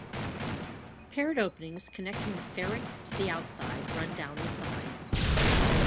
Paired openings connecting the pharynx to the outside run down the sides.